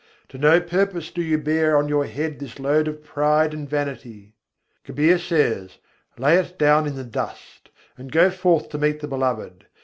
To no purpose do you bear on your head this load of pride and vanity. Kabîr says: "Lay it down in the dust, and go forth to meet the Beloved.